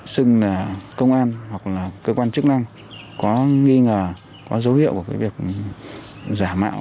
xưng công an hoặc cơ quan chức năng có nghi ngờ có dấu hiệu của việc giả mạo